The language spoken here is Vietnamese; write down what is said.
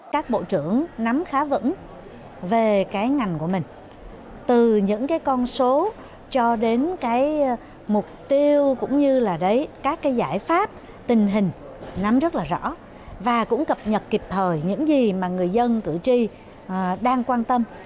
các bộ trưởng nắm khá vững về cái ngành của mình từ những cái con số cho đến cái mục tiêu cũng như là đấy các cái giải pháp tình hình nắm rất là rõ và cũng cập nhật kịp thời những gì mà người dân cử tri đang quan tâm